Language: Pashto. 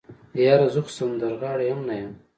يره زه خو سندرغاړی ام نه يم.